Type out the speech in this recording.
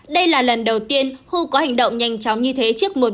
đây là lần đầu tiên who có hành động nhanh chóng như thế